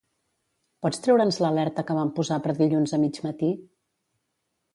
Pots treure'ns l'alerta que vam posar per dilluns a mig matí?